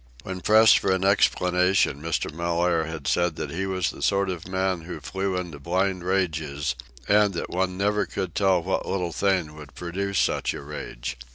When pressed for an explanation Mr. Mellaire had said that he was the sort of man who flew into blind rages, and that one never could tell what little thing would produce such a rage.